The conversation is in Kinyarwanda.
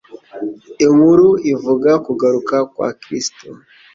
inkuru ivuga kugaruka kwa Kristo